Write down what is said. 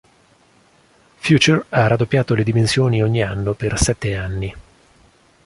Future ha raddoppiato le dimensioni ogni anno per sette anni.